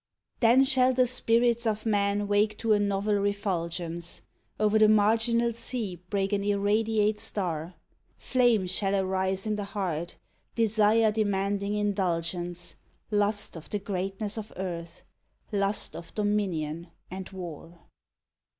Then shall the spirits of men wake to a novel refulgence, Over the marginal sea break an irradiate star, Flame shall arise in the heart, desire demanding indul gence, Lust of the greatness of earth, lust of dominion and war.